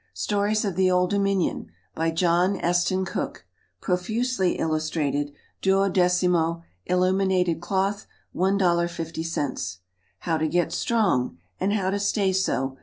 Stories of the Old Dominion. By JOHN ESTEN COOKE. Profusely Illustrated. 12mo, Illuminated Cloth, $1.50. How to Get Strong, And How to Stay So.